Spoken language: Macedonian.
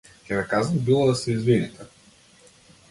Ќе ве казнат било да се извините.